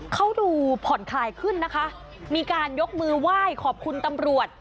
เขาดูผ่อนคลายขึ้นนะคะมีการยกมือไหว้ขอบคุณตำรวจ